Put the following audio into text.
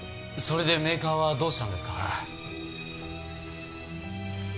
それでメーカーはどうしたんですか？